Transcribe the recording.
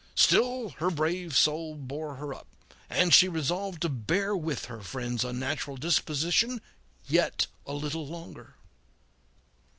Still, her brave soul bore her up, and she resolved to bear with her friend's unnatural disposition yet a little longer.